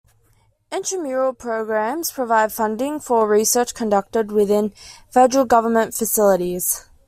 Intramural programs provide funding for research conducted within Federal government facilities.